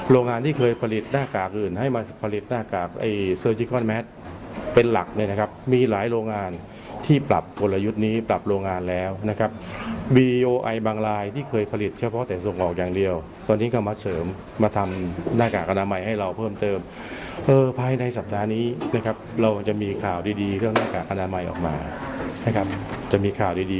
โรงงานที่เคยผลิตหน้ากากอื่นให้มาผลิตหน้ากากไอ้เซอร์จิคอนแมทเป็นหลักเลยนะครับมีหลายโรงงานที่ปรับกลยุทธ์นี้ปรับโรงงานแล้วนะครับบีโอไอบางรายที่เคยผลิตเฉพาะแต่ส่งออกอย่างเดียวตอนนี้ก็มาเสริมมาทำหน้ากากอนามัยให้เราเพิ่มเติมเออภายในสัปดาห์นี้นะครับเราจะมีข่าวดีดีเรื่องหน้ากากอนามัยออกมานะครับจะมีข่าวดีดี